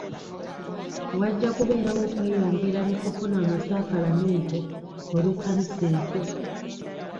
Wajja kubeerawo okweyongera mu kufuna amasakalamento olw'ekkanisa empya.